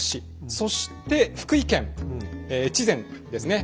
そして福井県越前ですね